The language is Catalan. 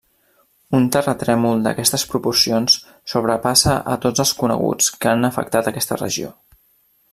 Un terratrèmol d'aquestes proporcions sobrepassa a tots els coneguts que han afectat aquesta regió.